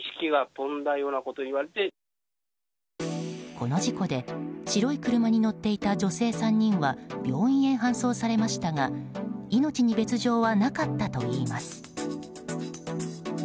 この事故で白い車に乗っていた女性３人は病院へ搬送されましたが命に別条はなかったといいます。